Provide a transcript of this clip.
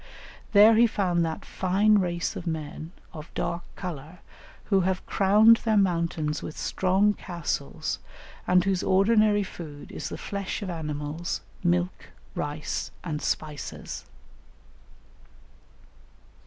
There he found that fine race of men, of dark colour, who have crowned their mountains with strong castles, and whose ordinary food is the flesh of animals, milk, rice, and spices.